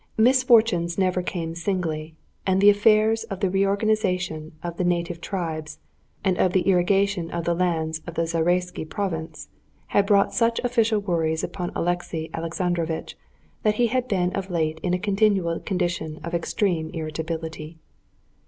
Misfortunes never come singly, and the affairs of the reorganization of the native tribes, and of the irrigation of the lands of the Zaraisky province, had brought such official worries upon Alexey Alexandrovitch that he had been of late in a continual condition of extreme irritability.